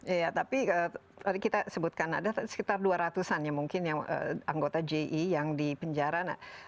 iya tapi tadi kita sebutkan ada sekitar dua ratus an ya mungkin yang anggota ji yang di penjara